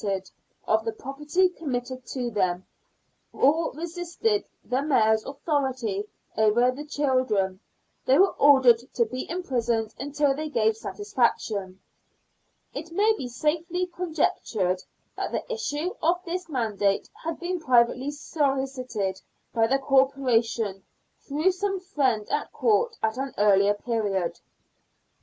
If such persons refused to produce a full account of the property committed to them, or resisted the Mayor's authority over the children, they were ordered to be imprisoned until they gave satisfaction. It may be safely conjectured that the issue of this mandate had been privately solicited by the Corporation through some friend at Court at an earlier period.